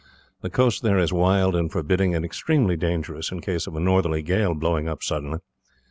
The coast there is wild and forbidding, and extremely dangerous in case of a northerly gale blowing up suddenly.